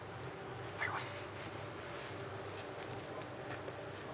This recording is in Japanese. いただきます。